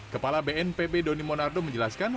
kepala bnpb doni monardo menjelaskan